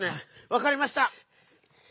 わかりました！